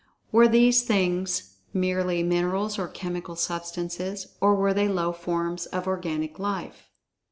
Were these things merely minerals or chemical substances, or were they low forms of organic life?